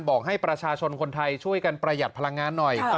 บอกให้ประชาชนคนไทยช่วยกันประหยัดพลังงานหน่อย